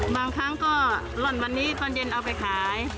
บางครั้งก็หล่อนวันนี้ตอนเย็นเอาไปขาย